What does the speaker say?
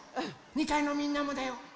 ２かいのみんなもだよ。